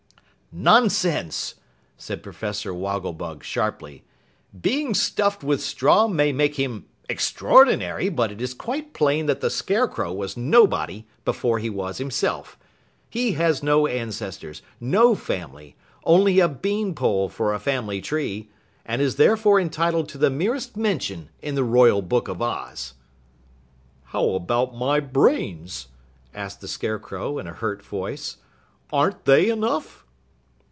"Nonsense!" said Professor Wogglebug sharply, "Being stuffed with straw may make him extraordinary, but it is quite plain that the Scarecrow was nobody before he was himself. He has no ancestors, no family; only a bean pole for a family tree, and is therefore entitled to the merest mention in the Royal Book of Oz!" "How about my brains?" asked the Scarecrow in a hurt voice. "Aren't they enough?"